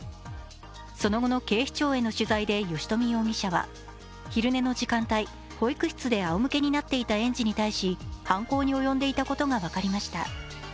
その後の警視庁への取材で吉冨容疑者は昼寝の時間帯、保育室であおむけになっていた園児に対し犯行に及んでいたことが分かりました。